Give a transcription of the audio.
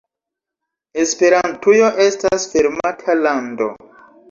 Esperantujo estas fermata lando.